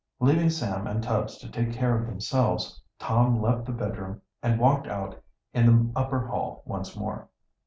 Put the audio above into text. Leaving Sam and Tubbs to take care of themselves, Tom left the bedroom and walked out in the upper hall once more.